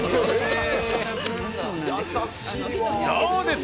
どうです？